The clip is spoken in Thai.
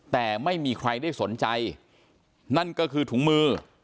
แต่ไม่มีใครได้สนใจนั่นก็คือถุงมือ